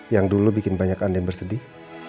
yang dulu bikin banyak andien bersedih